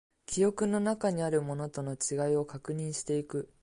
記憶の中にあるものとの違いを確認していく